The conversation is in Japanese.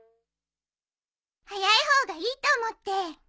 早い方がいいと思って。